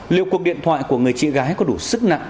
liệu cuộc điện thoại của người chị gái có đủ sức nặng